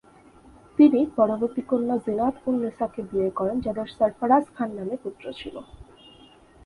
তিনি পরবর্তী কন্যা জিনাত উন-নিসাকে বিয়ে করেন যাদের সরফরাজ খান নামে পুত্র ছিল।